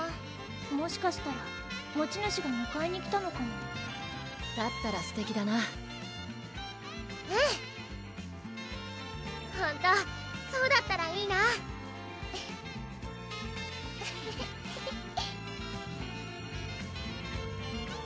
もしかしたら持ち主がむかえに来たのかもだったらすてきだなうん！ほんとそうだったらいいな「フフフフフンフン」